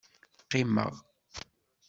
Qqimeɣ.